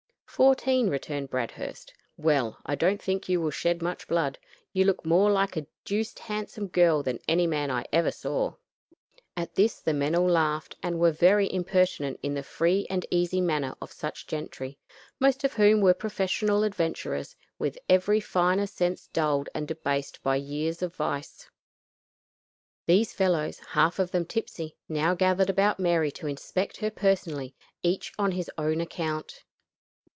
"Fourteen," returned Bradhurst: "well, I don't think you will shed much blood. You look more like a deuced handsome girl than any man I ever saw." At this the men all laughed, and were very impertinent in the free and easy manner of such gentry, most of whom were professional adventurers, with every finer sense dulled and debased by years of vice. These fellows, half of them tipsy, now gathered about Mary to inspect her personally, each on his own account.